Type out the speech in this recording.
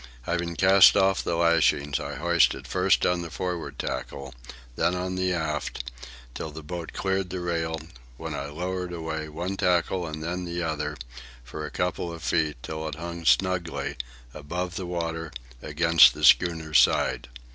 Having cast off the lashings, I hoisted first on the forward tackle, then on the aft, till the boat cleared the rail, when I lowered away, one tackle and then the other, for a couple of feet, till it hung snugly, above the water, against the schooner's side.